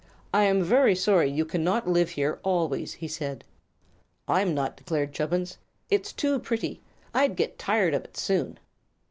"I am very sorry you cannot live here always," he said. "I'm not," declared Chubbins. "It's too pretty. I'd get tired of it soon."